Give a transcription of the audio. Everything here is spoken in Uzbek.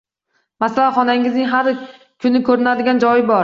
Masalan, xonangizning har kuni ko’rinadigan joy bor.